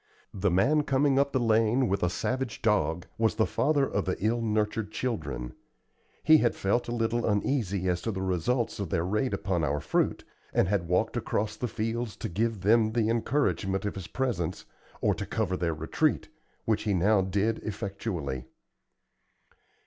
The man coming up the lane, with a savage dog, was the father of the ill nurtured children. He had felt a little uneasy as to the results of their raid upon our fruit, and had walked across the fields to give them the encouragement of his presence, or to cover their retreat, which he now did effectually.